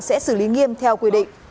sẽ xử lý nghiêm theo quy định